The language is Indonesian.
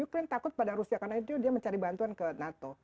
ukraine takut pada rusia karena itu dia mencari bantuan ke nato